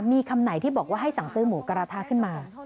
มีคำไหนที่บอกว่าให้สั่งซื้อหมูกระทะขึ้นมา